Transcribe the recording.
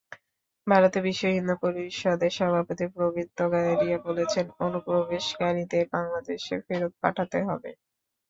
ভারতে বিশ্বহিন্দু পরিষদের সভাপতি প্রবীণ তোগাড়িয়া বলেছেন, অনুপ্রবেশকারীদের বাংলাদেশে ফেরত পাঠাতে হবে।